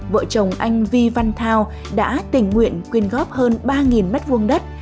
vợ chồng anh vi văn thao đã tình nguyện quyên góp hơn ba m hai đất